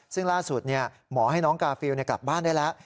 ซึ่งล่าสุดหมอให้น้องกาฟิลกลับบ้านได้แล้ว